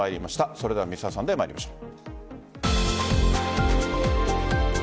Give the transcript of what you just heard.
それでは「Ｍｒ．サンデー」参りましょう。